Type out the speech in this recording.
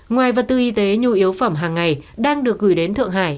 ngoài vật tư y tế nhu yếu phẩm hàng ngày đang được gửi đến thượng hải